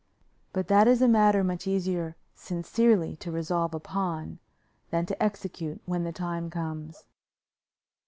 But that is a matter much easier sincerely to resolve upon than to execute when the time comes.